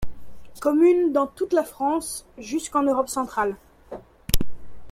Commune dans toute la France, jusqu'en Europe centrale.